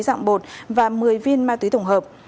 dạng bột và một mươi viên ma túy tổng hợp